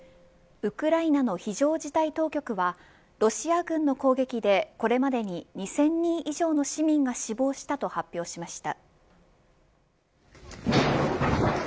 ウクライナの非常事態当局はロシア軍の攻撃でこれまでに２０００人以上の市民が死亡したと発表しました。